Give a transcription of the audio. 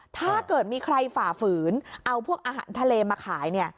ถ้าเกิดมีใครฝ่าฝืนเอาพวกอาหารทะเลมาขายเนี่ย